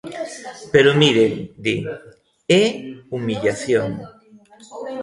Pero miren, di: é humillación.